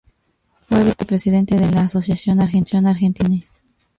Fue vicepresidente de la Asociación Argentina de Tenis.